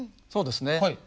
そうですね。